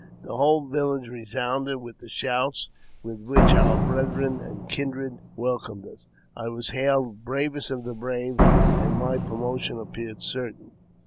The whole village resounded with the shouts with which our brethren and kindred welcomed us. I was hailed bravest of the brave, and my promotion appeared certain.